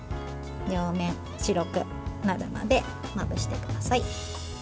両面白くなるまでまぶしてください。